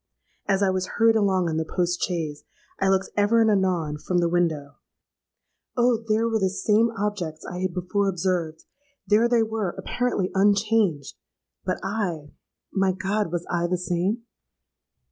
As I was hurried along in the post chaise, I looked ever and anon from the window; oh! there were the same objects I had before observed;—there they were, apparently unchanged;—but I—my God—was I the same?